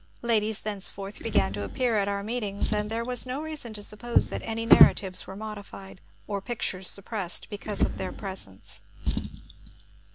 Ladies thenceforth began to appear at our meetings, and there was no reason to suppose that any narratives were modified or pictures suppressed because of their presence.